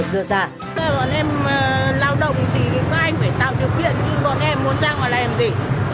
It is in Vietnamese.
bọn em lao động thì các anh phải tạo điều kiện nhưng bọn em muốn ra ngoài làm gì